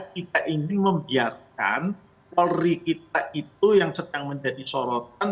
kita ingin membiarkan polri kita itu yang sedang menjadi sorotan